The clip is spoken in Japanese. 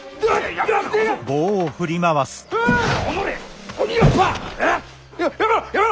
やめろ！